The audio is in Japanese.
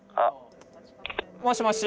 もしもし？